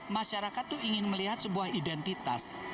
masyarakat itu ingin melihat sebuah identitas